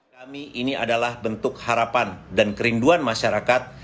kami ini adalah bentuk harapan dan kerinduan masyarakat